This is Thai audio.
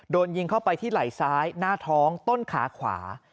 โดนยิงเข้าไปที่ไหล่ซ้ายหน้าท้องต้นขาขวา